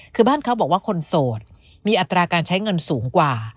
คือบ้านเขาบอกว่าคนโสดมีอัตราการใช้เงินสูงกว่า